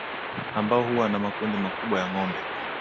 ambao huwa na makundi makubwa ya ngombe